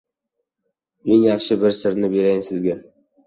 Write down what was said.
Eng yaxshi bir sirni berayin sizga: